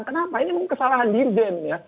kenapa ini memang kesalahan dirjen ya